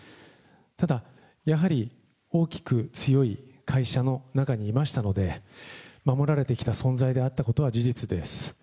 ただ、やはり大きく強い会社の中にいましたので、守られてきた存在であったことは事実です。